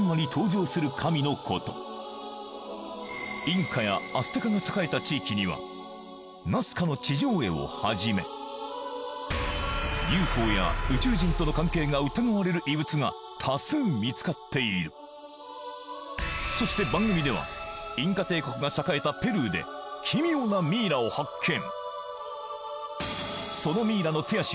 インカやアステカが栄えた地域にはナスカの地上絵をはじめＵＦＯや宇宙人との関係が疑われる遺物が多数見つかっているそして番組ではインカ帝国が栄えたペルーで奇妙なミイラを発見